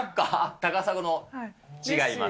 高砂の、違います。